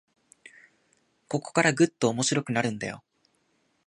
ここからぐっと面白くなるんだよ